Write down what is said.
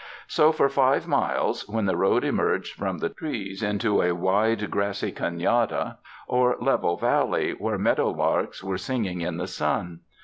So for five miles, when the road emerged from the trees into a wide grassy Canada, or level valley, where meadow larks were singing in the sun.